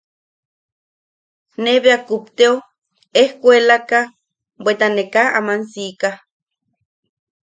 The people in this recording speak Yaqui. Ne bea kupteo ejkukuelaaka bweta ne kaa aman siika.